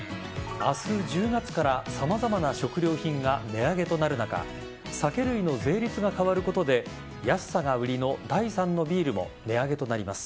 明日、１０月から様々な食料品が値上げとなる中酒類の税率が変わることで安さが売りの第３のビールも値上げとなります。